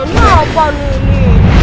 ini apaan ini